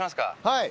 はい。